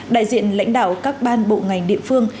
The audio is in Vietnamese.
đại diện lãnh đạo các ban bộ ngành địa phương